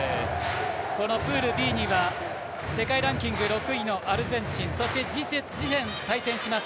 このプールＢには世界ランキング６位のアルゼンチン、そして次戦対戦します